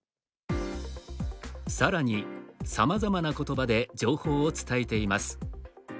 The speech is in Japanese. さらに、さまざまなことばで情報を伝えています。